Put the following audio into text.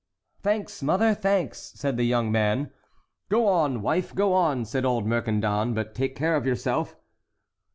"Thanks, mother, thanks!" said the young man. "Go on, wife, go on," said old Mercandon; "but take care of yourself."